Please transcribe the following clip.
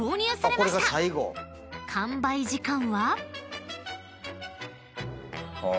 ［完売時間は］